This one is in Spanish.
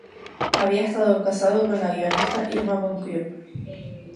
Había estado casado con la guionista Irma von Cube.